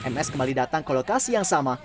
ms kembali datang ke lokasi yang sama